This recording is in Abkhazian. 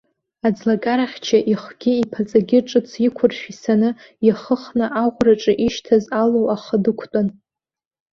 Аӡлагарахьча ихгьы иԥаҵагьы ҿыц иқәыршә исаны, иахыхны аӷәраҿы ишьҭаз алу ахы дықәтәан.